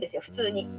普通に。